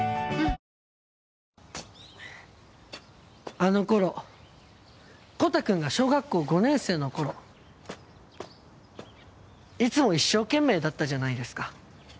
あの頃コタくんが小学校５年生の頃。いつも一生懸命だったじゃないですか。